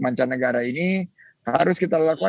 mancanegara ini harus kita lakukan